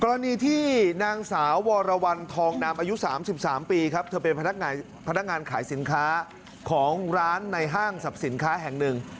กรณีที่นางสาววรวรรณทองนามอายุ๓๓ปีครับเธอเป็นพนักงานขายสินค้าของร้านในห้างสรรพสินค้าแห่งหนึ่ง